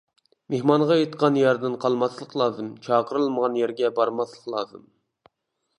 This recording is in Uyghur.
مېھمانغا ئېيتقان يەردىن قالماسلىق لازىم، چاقىرىلمىغان يەرگە بارماسلىق لازىم.